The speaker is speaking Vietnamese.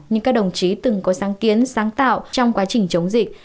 nhưng các đồng chí từng có sáng kiến sáng tạo trong quá trình chống dịch